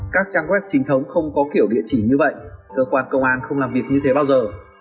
các trang web chính thống không có kiểu địa chỉ như vậy cơ quan công an không làm việc như thế bao giờ